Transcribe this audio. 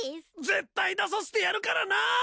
絶対出させてやるからな！